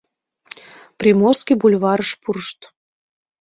Приморский бульварыш пурышт.